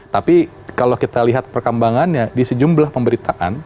tapi kalau kita lihat perkembangannya di sejumlah pemberitaan